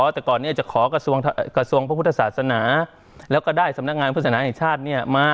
แต่ก่อนนี้จะขอกระทรวงพระพุทธศาสนาแล้วก็ได้สำนักงานพุทธศนาแห่งชาติมา